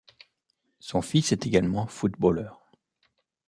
Son fils est également footballeur.